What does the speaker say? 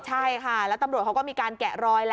ใช่ค่ะแล้วตำรวจเขาก็มีการแกะรอยแล้ว